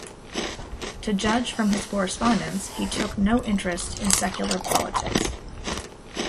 To judge from his correspondence he took no interest in secular politics.